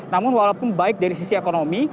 namun walaupun baik dari sisi ekonomi